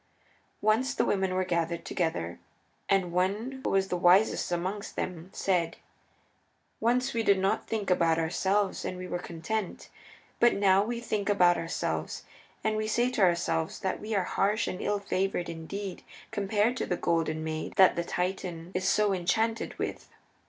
Once the women were gathered together, and one who was the wisest amongst them said: "Once we did not think about ourselves, and we were content. But now we think about ourselves, and we say to ourselves that we are harsh and ill favored indeed compared to the Golden Maid that the Titan is so enchanted with.